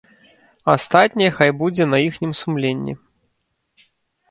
Астатняе хай будзе на іхнім сумленні.